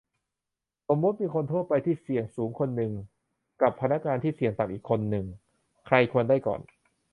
สมมติ มีคนทั่วไปที่เสี่ยงสูงคนหนึ่ง กับ พนักงานที่เสี่ยงต่ำอีกคนหนึ่ง ใครควรได้ก่อน ?